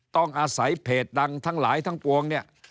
ต้องอาศัยเพจดังทั้งหลายทั้งปวงเนี่ย